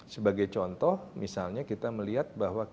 sebagai contoh misalnya kita melihat bahwa